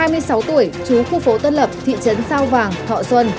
hai mươi sáu tuổi chú khu phố tân lập thị trấn sao vàng thọ xuân